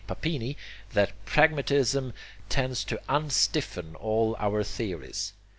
Papini, that pragmatism tends to UNSTIFFEN all our theories.